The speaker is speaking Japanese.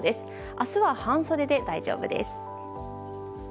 明日は半袖で大丈夫です。